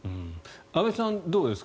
安部さん、どうですか？